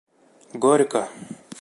Горько!